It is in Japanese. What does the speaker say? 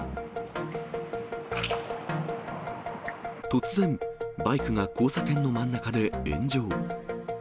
突然、バイクが交差点の真ん中で炎上。